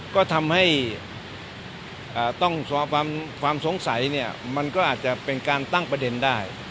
ก็ทำให้ต้องสอบความสงสัยเนี่ยมันก็อาจจะเป็นการตั้งประเด็นได้